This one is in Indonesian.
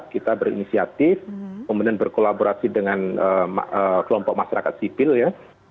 dua ribu delapan belas kita berinisiatif kemudian berkolaborasi dengan kelompok masyarakat sipil ya